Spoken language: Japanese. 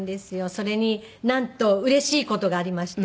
それになんとうれしい事がありまして